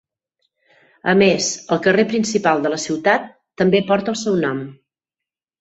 A més, el carrer principal de la ciutat també porta el seu nom.